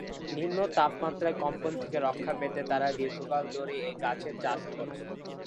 নিম্ন তাপমাত্রায় কম্পন থেকে রক্ষা পেতে তারা দীর্ঘকাল ধরে এই গাছের চাষ করে।